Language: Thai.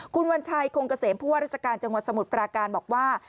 คุณวัญชัยคงเกษมผู้ว่าราชการจังหวัดสมุทรปราการบอกว่า